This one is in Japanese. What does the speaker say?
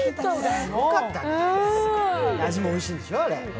味もおいしいんでしょ、あれ？